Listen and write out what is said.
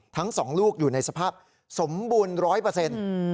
ทั้ง๒ลูกอยู่ในสภาพสมบูรณ์๑๐๐